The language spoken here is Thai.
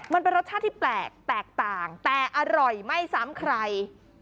มันเป็นรสชาติที่แปลกแตกต่างแต่อร่อยไม่ซ้ำใคร